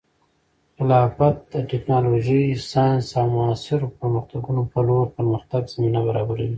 خلافت د ټیکنالوژۍ، ساینس، او معاصرو پرمختګونو په لور د پرمختګ زمینه برابروي.